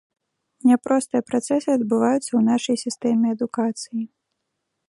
Няпростыя працэсы адбываюцца ў нашай сістэме адукацыі.